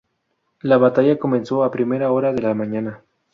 La batalla comenzó a primera hora de la mañana.